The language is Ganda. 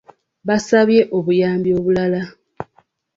Baasabye obuyambi obulala.